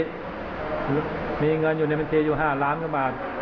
หรือมีเงินอยู่ในบัตรีอยู่๕ล้านบาท